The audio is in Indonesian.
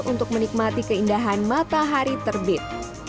untuk menikmati keindahan matahari terbit